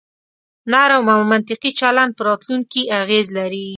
نرم او منطقي چلن په راتلونکي اغیز لري.